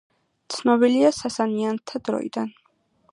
ცნობილია სასანიანთა დროიდან.